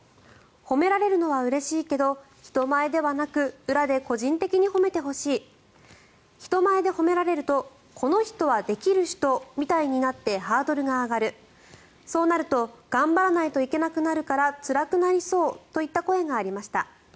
褒められるのはうれしいけど人前ではなく裏で個人的に褒めてほしい人前で褒められるとこの人はできる人みたいになってハードルが上がるそうなると頑張らないといけなくなるからつらくなりそうといった声がありました。